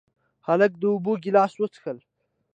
هلک د اوبو ګیلاس وڅښله.